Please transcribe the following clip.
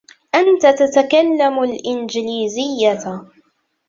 أنت تتكلم الإنجليزيه.